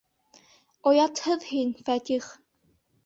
Оятһыҙ һин, Фәтих!